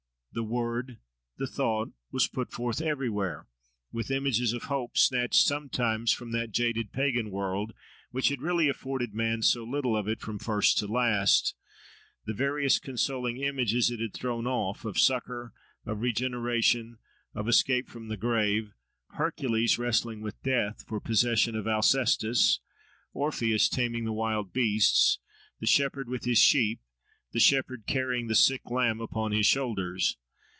—the word, the thought—was put forth everywhere, with images of hope, snatched sometimes from that jaded pagan world which had really afforded men so little of it from first to last; the various consoling images it had thrown off, of succour, of regeneration, of escape from the grave—Hercules wrestling with Death for possession of Alcestis, Orpheus taming the wild beasts, the Shepherd with his sheep, the Shepherd carrying the sick lamb upon his shoulders.